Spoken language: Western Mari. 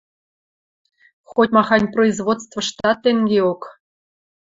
Хоть-махань производствыштат тенгеок.